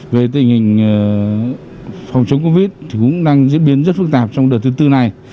về tình hình phòng chống covid thì cũng đang diễn biến rất phức tạp trong đợt thứ tư này